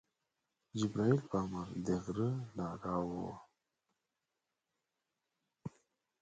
جبریل په امر د غره نه راوړ.